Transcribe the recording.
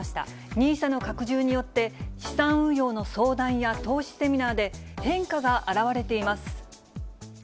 ＮＩＳＡの拡充によって、資産運用の相談や投資セミナーで、変化が表れています。